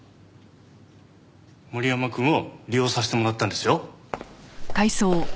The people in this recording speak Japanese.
森山くんを利用させてもらったんですよ。